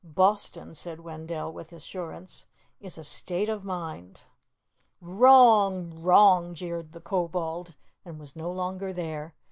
"Boston," said Wendell with assurance, "is a state of mind." "Wrong! Wrong!" jeered the Kobold and was no longer there.